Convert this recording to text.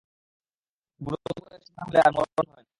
বুড়া বয়সে রোগ না হইলে আর মরণ হয় না!